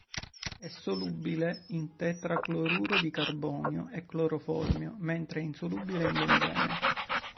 È solubile in tetracloruro di carbonio e cloroformio, mentre è insolubile in benzene.